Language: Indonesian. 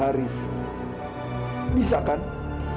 haris tidak mau kalian memberitahukan tentang penyakit haris